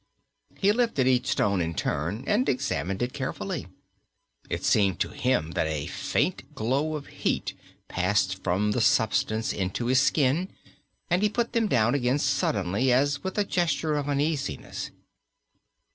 He lifted each stone in turn and examined it carefully. It seemed to him that a faint glow of heat passed from the substance into his skin, and he put them down again suddenly, as with a gesture of uneasiness.